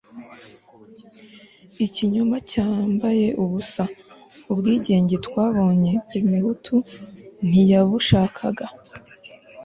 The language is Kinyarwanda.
ikinyoma cyambaye ubusa. ubwigenge twabonye parmehutu ntiyabushakaga